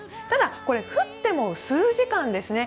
ただ、降っても数時間です。